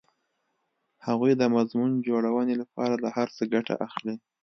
هغوی د مضمون جوړونې لپاره له هر څه ګټه اخلي